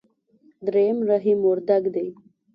درېم رحيم وردګ دی.